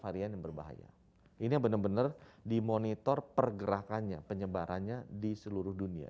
varian yang berbahaya ini yang benar benar dimonitor pergerakannya penyebarannya di seluruh dunia